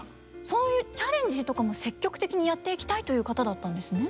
そういうチャレンジとかも積極的にやっていきたいという方だったんですね。